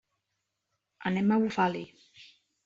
Anem a Bufali.